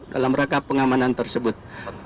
dalam rangka pengamanan tersebut